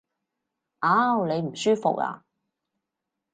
嗷！你唔舒服呀？